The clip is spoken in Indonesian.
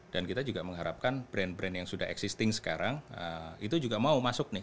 dan kita juga mengharapkan brand brand yang sudah existing sekarang itu juga mau masuk nih